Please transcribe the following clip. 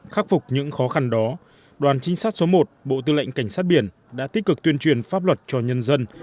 khắc phục những khó khăn đó đoàn trinh sát số một bộ tư lệnh cảnh sát biển đã tích cực tuyên truyền pháp luật cho nhân dân